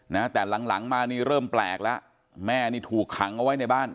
นะแต่หลังหลังมานี่เริ่มแปลกแล้วแม่นี่ถูกขังเอาไว้ในบ้าน